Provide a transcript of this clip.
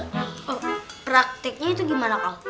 oh praktiknya itu gimana kal